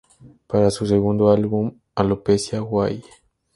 Para su segundo álbum Alopecia, Why?